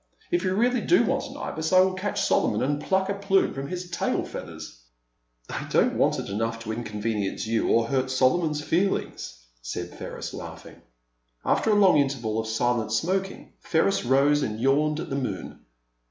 If you really do want an Ibis I will catch Solomon and pluck a plume from his tail feathers." I don't want it enough to inconvenience you or hurt Solomon's feelings, '' said Ferris, laughing. After a long interval of silent smoking Ferris rose and yawned at the moon.